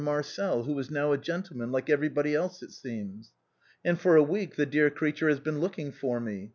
Marcel, who is now a gentleman, like everybody else, it seems.' And for a week the dear creature has been looking for me.